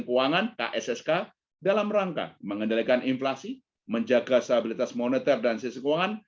keuangan kssk dalam rangka mengendalikan inflasi menjaga stabilitas moneter dan sisi keuangan